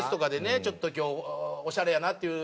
ちょっと今日オシャレやなっていうね